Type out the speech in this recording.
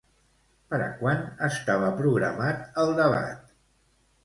Per a quan estava programat el debat?